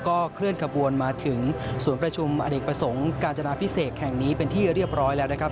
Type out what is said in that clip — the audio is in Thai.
เคลื่อนขบวนมาถึงศูนย์ประชุมอเนกประสงค์กาญจนาพิเศษแห่งนี้เป็นที่เรียบร้อยแล้วนะครับ